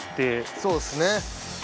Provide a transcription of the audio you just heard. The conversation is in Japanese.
そうですね。